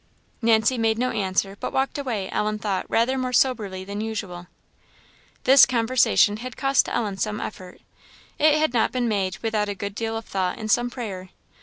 Nancy made no answer, but walked away, Ellen thought, rather more soberly than usual. This conversation had cost Ellen some effort. It had not been made without a good deal of thought and some prayer.